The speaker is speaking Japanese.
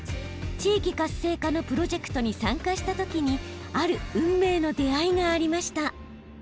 地域活性化のプロジェクトに参加した時にある運命の出会いがありました。